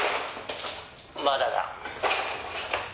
まだだ。